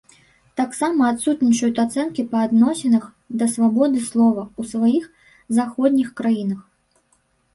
Таксама адсутнічаюць ацэнкі па адносінах да свабоды слова ў саміх заходніх краінах.